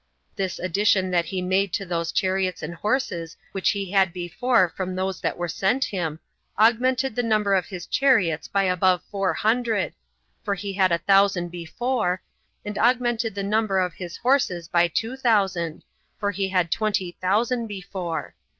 This addition that he made to those chariots and horses which he had before from those that were sent him, augmented the number of his chariots by above four hundred, for he had a thousand before, and augmented the number of his horses by two thousand, for he had twenty thousand before.